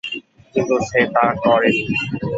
কিন্তু সে তা করেনি।